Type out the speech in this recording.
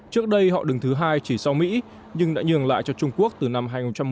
trước đây họ đứng thứ hai chỉ sau mỹ nhưng đã nhường lại cho trung quốc từ năm hai nghìn một mươi